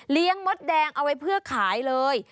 เลี้ยงมดแดงเอาไว้เพื่อขายเลย